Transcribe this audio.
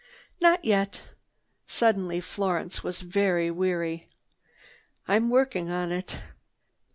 "Not yet." Suddenly Florence felt very weary. "I'm working on it.